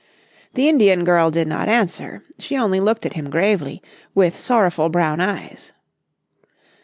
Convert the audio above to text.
The Indian girl did not answer, she only looked at him gravely with sorrowful brown eyes.